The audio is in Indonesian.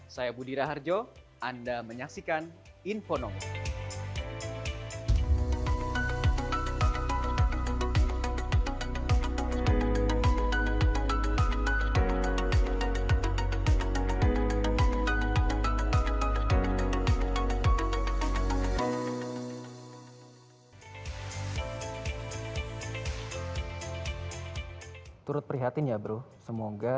saya budira harjo anda menyaksikan infonome